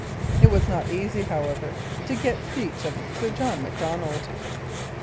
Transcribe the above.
It was not easy, however, to get speech of Sir John Macdonald.